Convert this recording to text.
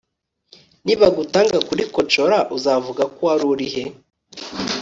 nibagutanga kurikocora uzavuga ko warurihe